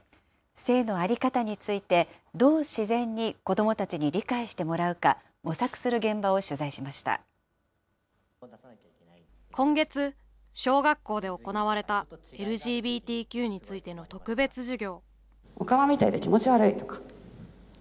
性の在り方について、どう自然に子どもたちに理解してもらうか、模索する現場を取材し今月、小学校で行われたＬＧＢＴＱについての特別授業。